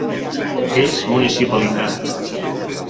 És municipalitat.